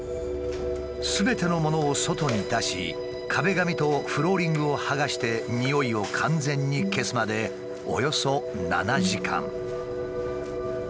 すべてのものを外に出し壁紙とフローリングを剥がしてにおいを完全に消すまでおよそ７時間。